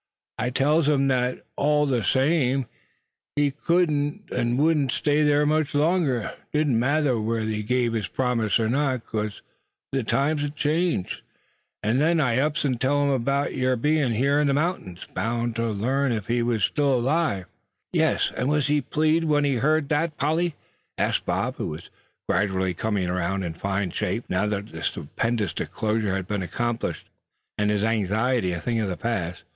"I tells him thet all ther same, he wa'n't agwine ter stay thar much longer, it didn't matter whether he guv ther promise er not, 'case thar hed be'n a change. An' then I ups an' tells him 'bout yer bein' hyar in ther mountings, bound ter larn ef he was erlive." "Yes, and was he pleased when he heard that, Polly?" asked Bob, who was gradually coming around in fine shape, now that the stupendous disclosure had been accomplished, and his anxiety a thing of the past.